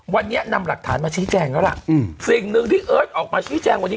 วันนี้นำหลักฐานมาชี้แจงแล้วล่ะอืมสิ่งหนึ่งที่เอิร์ทออกมาชี้แจงวันนี้